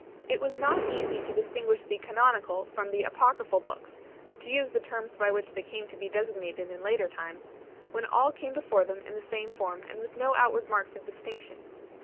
It was not easy to distinguish the "Canonical" from the "Apocryphal" books to use the terms by which they came to be desig nated in later times when all came before them in the same form and with no outward marks of distinction.